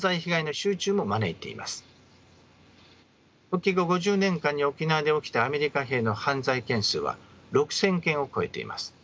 復帰後５０年間に沖縄で起きたアメリカ兵の犯罪件数は６，０００件を超えています。